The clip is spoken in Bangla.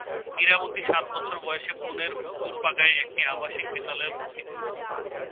ইরাবতী সাত বছর বয়সে পুনের হুজুরপাগায় একট আবাসিক বিদ্যালয়ে ভর্তি হন।